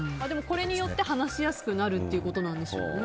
これによって話しやすくなるということなんでしょうね。